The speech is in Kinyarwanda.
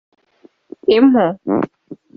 impu